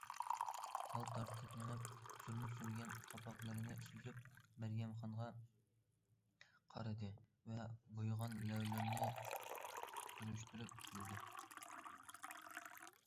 ھال تارتىپ مېڭىپ، سۈرمە سۈرگەن قاپاقلىرىنى سۈزۈپ مەريەمخانغا قارىدى ۋە بويىغان لەۋلىرىنى پۈرۈشتۈرۈپ كۈلدى.